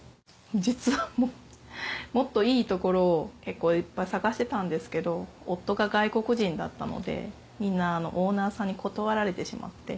実はもっといい所をいっぱい探してたんですけど夫が外国人だったのでみんなオーナーさんに断られてしまって。